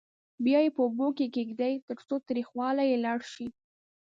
بیا یې په اوبو کې کېږدئ ترڅو تریخوالی یې لاړ شي.